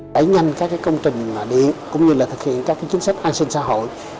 đẩy nhanh các công trình điện cũng như là thực hiện các chính sách an sinh xã hội